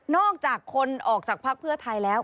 อกจากคนออกจากพักเพื่อไทยแล้ว